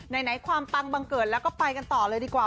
ไหนความปังบังเกิดแล้วก็ไปกันต่อเลยดีกว่า